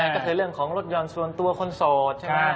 ก็ถือเรื่องของลดยอดส่วนตัวคนโสด